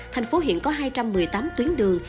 thành phố hiện có hai trăm một mươi tám tuyến đường